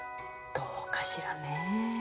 どうかしらねえ。